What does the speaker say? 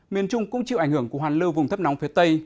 miền trung cũng chịu ảnh hưởng của hoàn lưu vùng thấp nóng phía tây